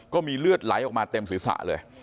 ก็มีเลือดไหลออกมาเต็มศีรษะเลย